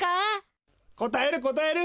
こたえるこたえる！